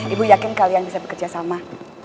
ibu yakin kalian bisa bekerja sama